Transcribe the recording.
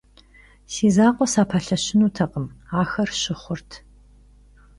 Si zakhue sapelheşınutekhım, axer şı xhurt.